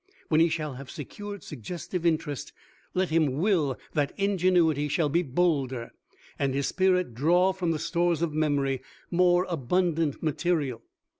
When he shall have secured suggestive Interest let him will that Ingenuity shall be bolder and his spirit draw from the stores of memory more abundant material.